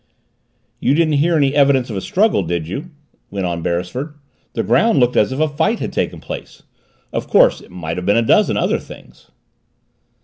"You didn't hear any evidence of a struggle, did you?" went on Beresford. "The ground looked as if a fight had taken place. Of course it might have been a dozen other things."